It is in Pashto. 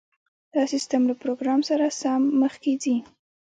دا سیستم له پروګرام سره سم مخکې ځي